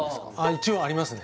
一応ありますね